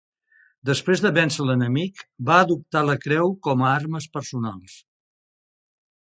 Després de vèncer l'enemic, va adoptar la creu com a armes personals.